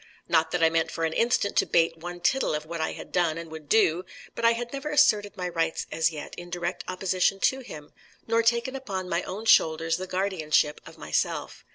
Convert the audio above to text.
Not that I meant for an instant to bate one tittle of what I had done and would do: but I had never asserted my rights as yet in direct opposition to him, nor taken upon my own shoulders the guardianship of myself.